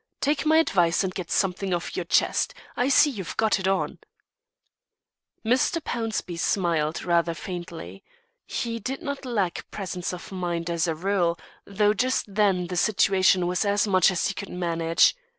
Take my advice and get something off your chest. I see you've got it on." Mr. Pownceby smiled, rather faintly. He did not lack presence of mind, as a rule, though just then the situation was as much as he could manage.